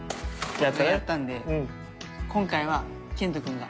僕がやったんで今回は健人君が。